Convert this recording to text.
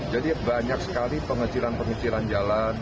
jadi banyak sekali pengecilan pengecilan jalan